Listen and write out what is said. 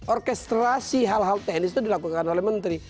orkestrasi hal hal teknis itu dilakukan oleh menteri